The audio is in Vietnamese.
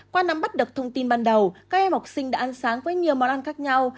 qua nắm bắt được thông tin ban đầu các em học sinh đã ăn sáng với nhiều món ăn khác nhau